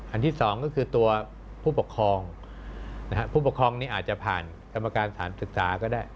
ที่สองก็คือตัวผู้ปกครองผู้ปกครองนี้อาจจะผ่านกรรมการสถานศึกษาก็ได้